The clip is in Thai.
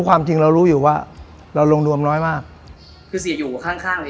ความจริงเรารู้อยู่ว่าเราลงรวมน้อยมากคือเสียอยู่ข้างข้างเลย